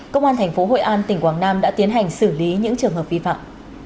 công an tp hội an tỉnh quảng nam đã tiến hành xử lý những trường hợp vi phạm